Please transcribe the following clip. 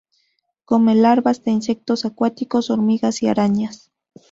Come larvas de insectos acuáticos, hormigas y arañas.